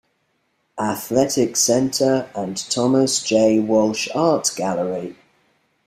Athletic Center and Thomas J. Walsh Art Gallery.